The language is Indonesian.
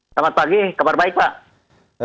selamat pagi kabar baik pak